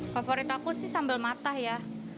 favorit aku sih sambal matah ya